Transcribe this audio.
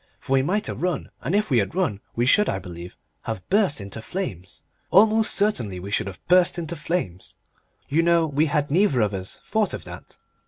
For we might have run, and if we had run we should, I believe, have burst into flames. Almost certainly we should have burst into flames! You know we had neither of us thought of that....